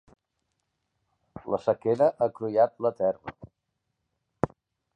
La sequera ha cruiat la terra.